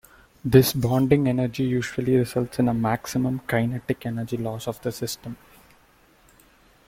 This bonding energy usually results in a maximum kinetic energy loss of the system.